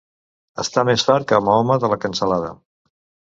Estar més fart que Mahoma de la cansalada.